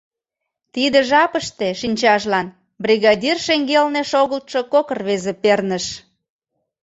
Тиде жапыште шинчажлан бригадир шеҥгелне шогылтшо кок рвезе перныш.